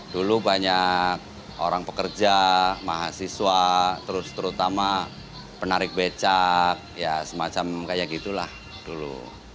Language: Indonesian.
dulu banyak orang pekerja mahasiswa terus terutama penarik becak ya semacam kayak gitu lah dulu